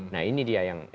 nah ini dia yang